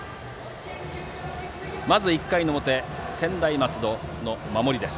まず１回の表、専大松戸の守り。